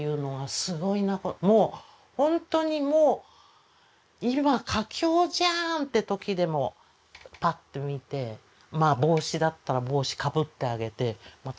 もう本当にもう今佳境じゃんって時でもパッて見てまあ帽子だったら帽子かぶってあげてまたすぐ投げてとか。